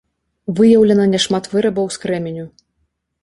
Выяўлена няшмат вырабаў з крэменю.